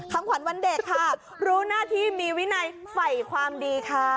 คำขวัญวันเด็กค่ะรู้หน้าที่มีวินัยไฝ่ความดีค่ะ